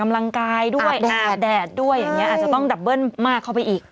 แต่ยิ่งแดดด้วยอย่างเงี้ยอาจจะต้องดับเบิ้ลมากเข้าไปอีก